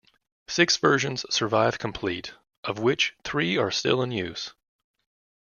Six versions survive complete, of which three are still in use.